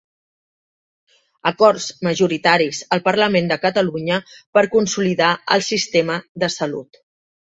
Acords majoritaris al Parlament de Catalunya per consolidar el sistema de salut.